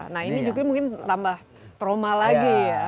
nah ini juga mungkin tambah trauma lagi ya